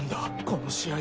この試合。